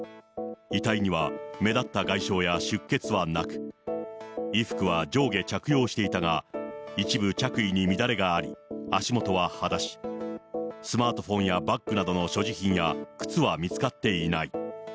遺体には目立った外傷や出血はなく、衣服は上下着用していたが、一部着衣に乱れがあり、足元ははだし、スマートフォンやバッグなどの所持品や靴は見つかっていない。